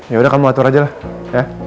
yaudah kamu atur aja lah ya